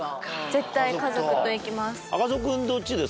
絶対家族と行きます。